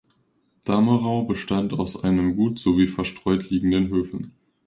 Damerau bestand aus einem Gut sowie verstreut liegenden Höfen.